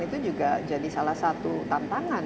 itu juga jadi salah satu tantangan